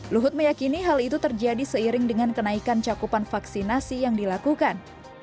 luhut meyakini hal itu terjadi seiring dengan kenaikan cakupan vaksinasi yang dilakukan